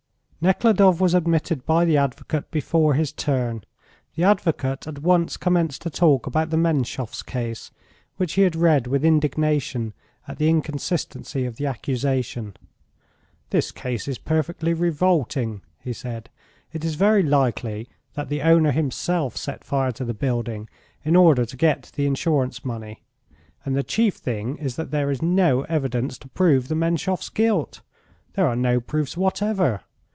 Nekhludoff was admitted by the advocate before his turn. The advocate at once commenced to talk about the Menshoffs' case, which he had read with indignation at the inconsistency of the accusation. "This case is perfectly revolting," he said; "it is very likely that the owner himself set fire to the building in order to get the insurance money, and the chief thing is that there is no evidence to prove the Menshoffs' guilt. There are no proofs whatever.